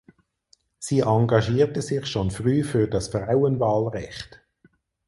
Sie engagierte sich schon früh für das Frauenwahlrecht.